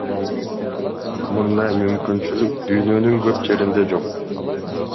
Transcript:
Мындай мүмкүнчүлүк дүйнөнүн көп жеринде жок.